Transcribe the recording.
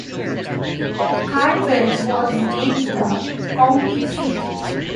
Caldwell was named the county seat.